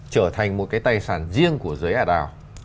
trở thành một cái tài sản riêng của giới ả đào